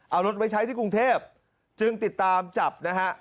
เอารถไว้ใช้ที่กรุงเทพจึงติดตามจับนะฮะ